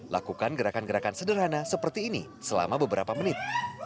lakukan gerakan gerakan sederhana seperti ini selama beberapa menit